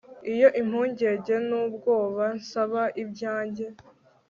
iyo impungenge n'ubwoba nsaba ibyanjye